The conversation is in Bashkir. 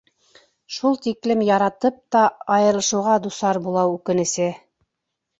Шул тиклем яратып та айырылышыуға дусар булыу үкенесе...